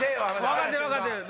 分かってる分かってる。